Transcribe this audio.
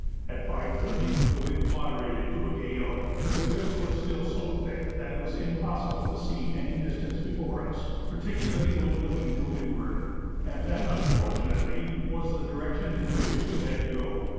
At 5.30 the wind moderated to a gale, but the drift was still so thick that it was impossible to see any distance before us, particularly when looking to windward, and that unfortunately was the direction in which we had to go.